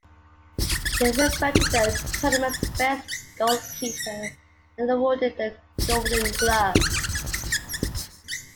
He was voted the tournament's best goalkeeper and awarded the Golden Glove.